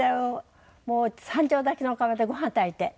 もう３升炊きのお釜でご飯炊いて。